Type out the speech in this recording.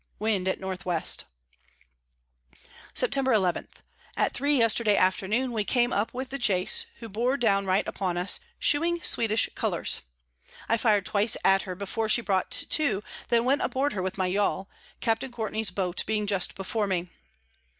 Wind at N W. Sept. 11. At three yesterday Afternoon we came up with the Chase, who bore down right upon us, shewing Swedish Colours. I fir'd twice at her before she brought to, then went aboard her with my Yall, Captain Courtney's Boat being just before me.